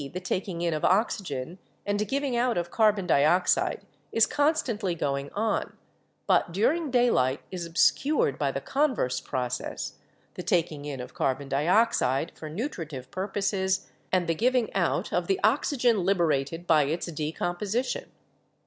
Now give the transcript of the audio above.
the tak ing in of oxygen and giving out of carbon dioxide — is con stantly going on, but during daylight is obscured by the converse process, the taking in of carbon dioxide for nutritive purposes and the giving out of the oxygen liber ated by its decomposition.